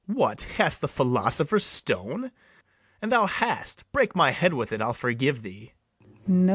What, hast the philosopher's stone? an thou hast, break my head with it, I'll forgive thee. SLAVE.